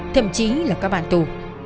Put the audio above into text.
thậm chí là các bạn tù